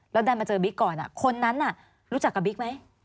แล้วดันมาเจอบิ๊กก่อนคนนั้นรู้จักกับบิ๊กไหม